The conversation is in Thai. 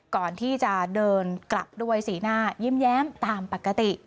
ก่อนที่จะเดินกลับด้วยสีหน้ายิ้มแย้มตามปกติ